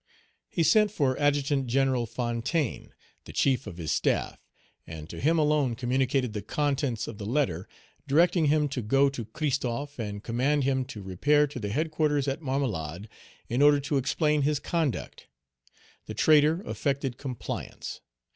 He sent for Adjutant General Fontaine, the chief of his staff, and to him alone communicated the contents of the letter, directing him to go to Christophe, and command him to repair to the headquarters at Marmelade, in order to explain his conduct. The traitor affected compliance.